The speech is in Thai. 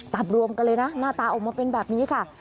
รวมกันเลยนะหน้าตาออกมาเป็นแบบนี้ค่ะ